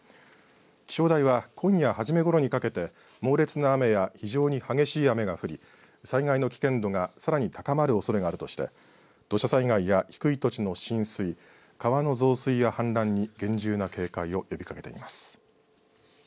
気象台は今夜初めごろにかけて猛烈な雨や非常に激しい雨が降り災害の危険度がさらに高まるおそれがあるとして土砂災害や低い土地の浸水川の増水や氾濫に厳重な警戒を呼びかけています。